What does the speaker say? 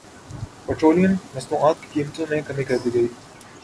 petroleum مصنوعات کی قیمتوں میں کمی کردی گئی